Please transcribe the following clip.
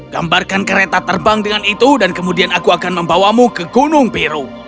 gambarkan kereta terbang dengan itu dan kemudian aku akan membawamu ke gunung biru